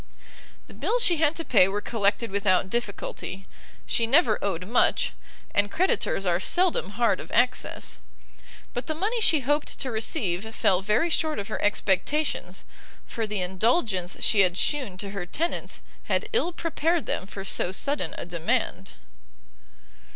The bills she had to pay were collected without difficulty; she never owed much, and creditors are seldom hard of access; but the money she hoped to receive fell very short of her expectations, for the indulgence she had shewn to her tenants had ill prepared them for so sudden a demand.